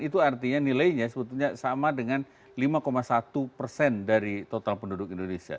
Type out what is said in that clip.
itu artinya nilainya sebetulnya sama dengan lima satu persen dari total penduduk indonesia